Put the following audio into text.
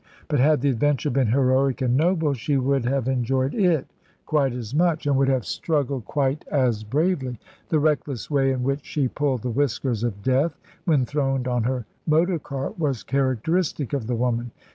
But had the adventure been heroic and noble, she would have enjoyed it quite as much and would have struggled quite as bravely. The reckless way in which she pulled the whiskers of Death, when throned on her motor car, was characteristic of the woman.